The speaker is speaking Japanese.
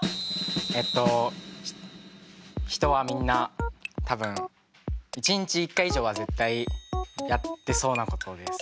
えっと人はみんな多分１日１回以上は絶対やってそうなことです。